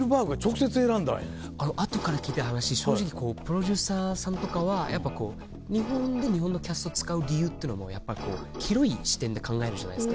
後から聞いた話で正直プロデューサーさんとかはやっぱこう日本で日本のキャスト使う理由っていうのも広い視点で考えるじゃないですか。